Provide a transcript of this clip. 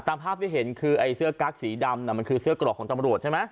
ตามภาพที่เห็นคือไอ้เสื้อกั๊กสีดำมันคือเสื้อกรอกของตำรวจใช่ไหม